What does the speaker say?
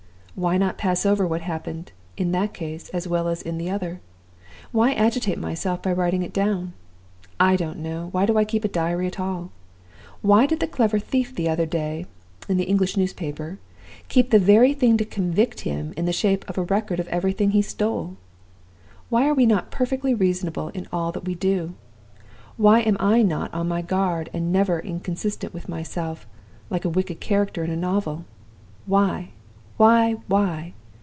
Why not pass over what happened, in that case as well as in the other? Why agitate myself by writing it down? I don't know! Why do I keep a diary at all? Why did the clever thief the other day (in the English newspaper) keep the very thing to convict him in the shape of a record of everything he stole? Why are we not perfectly reasonable in all that we do? Why am I not always on my guard and never inconsistent with myself, like a wicked character in a novel? Why? why? why?